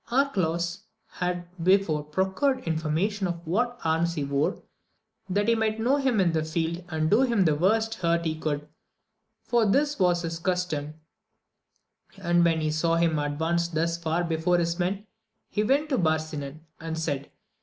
Arcalaus had before procured information of what arms he wore, that he might know him in the field and do him the worst hurt he could, for .this was his custom ; and when he saw him advanced thus far before his men; he went to Barsinan and said.